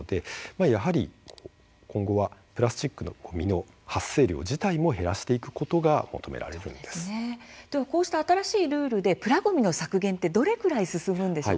やはり、今後はプラスチックのごみの発生量自体も減らしていくことが求められ新しいルールでプラごみの削減はどれぐらい進むんでしょうか。